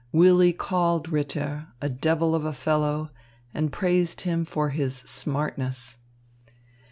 Willy called Ritter "a devil of a fellow," and praised him for his "smartness."